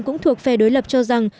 cũng thuộc phe đối lập cho rằng